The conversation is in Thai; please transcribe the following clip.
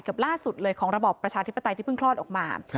ล่าสุดเลยของระบอบประชาธิปไตยที่เพิ่งคลอดออกมา